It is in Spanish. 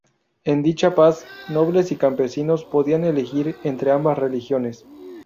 En dicha paz, nobles y campesinos podían elegir entre ambas religiones.